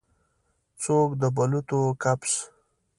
څوک د بلوطو کپس